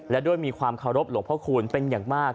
และด้วยมีความเคารพหลวงพระคูณเป็นอย่างมาก